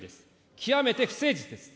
極めて不誠実です。